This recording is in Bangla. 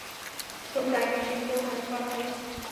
প্রথম টার্গেট, চিহ্নিত করা হয়েছে।